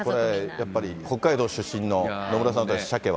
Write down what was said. やっぱり北海道出身の野村さんとしてはシャケは。